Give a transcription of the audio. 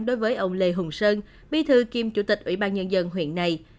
đối với ông lê hùng sơn bí thư kiêm chủ tịch ủy ban nhân dân huyện này